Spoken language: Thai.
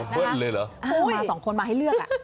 มา๒คนมาให้เลือกอะ